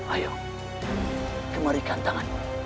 ayo kemarikan tanganmu